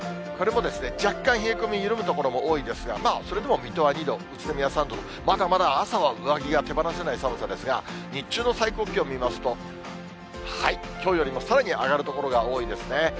これも若干冷え込み、緩む所は多いですが、それでも水戸は２度、宇都宮３度と、まだまだ朝は上着が手放せない寒さですが、日中の最高気温見ますと、きょうよりもさらに上がる所が多いですね。